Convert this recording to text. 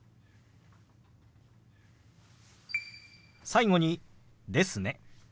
最後に「ですね」。